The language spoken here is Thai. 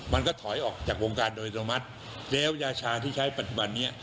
มันก็ถอยออกจากวงการโดยตรงมัติแล้วยาชาที่ใช้ปัจจุบันนี้